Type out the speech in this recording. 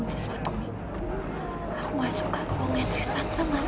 kalau sekarang kamu mau ngomong kalau kamu jatuh cinta sama aku